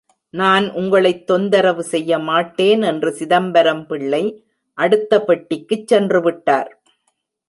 நான் உங்களைத் தொந்தரவு செய்யமாட்டேன் என்று சிதம்பரம் பிள்ளை அடுத்த பெட்டிக்குச் சென்றுவிட்டார்.